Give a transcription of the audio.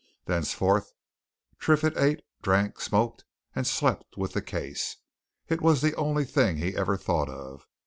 Thenceforth Triffitt ate, drank, smoked, and slept with the case; it was the only thing he ever thought of.